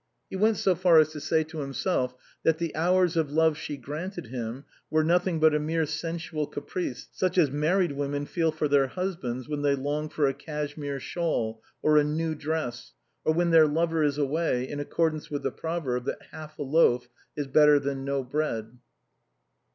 He went so far as to say to himself, that the hours of love she granted him were nothing but a mere sensual caprice such as married women feel for their hus bands when they long for a cashmere shawl or a new dress, or when their lover is away, in accordance with the proverb that half a loaf is better than no bread.